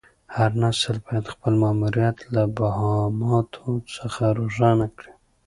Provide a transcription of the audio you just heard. هر نسل باید خپل ماموریت له ابهاماتو څخه روښانه کړي.